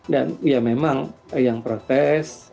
dan ya memang yang protes